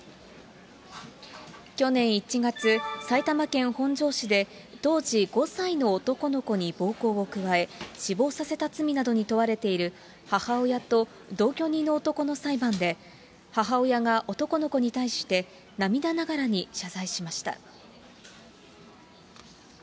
去年１月、埼玉県本庄市で、当時５歳の男の子に暴行を加え、死亡させた罪などに問われている母親と同居人の男の裁判で、母親が男の子に対して、涙ながらに謝罪しました。